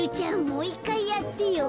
もういっかいやってよ。